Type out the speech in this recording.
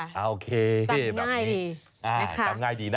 สำง่ายสำง่ายดีนะ